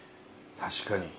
確かに。